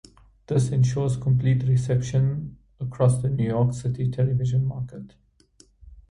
This ensures complete reception across the New York City television market.